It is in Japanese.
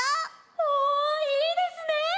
おおいいですね！